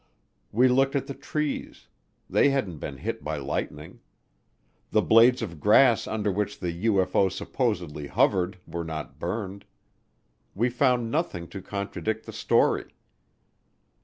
We looked at the trees; they hadn't been hit by lightning. The blades of grass under which the UFO supposedly hovered were not burned. We found nothing to contradict the story.